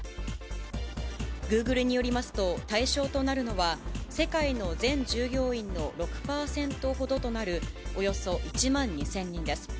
グーグルによりますと、対象となるのは、世界の全従業員の６％ほどとなる、およそ１万２０００人です。